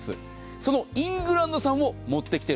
そのイングランド産を持ってきている。